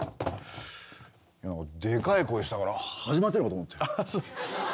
でかい声したから始まってんのかと思って。